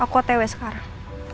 aku otw sekarang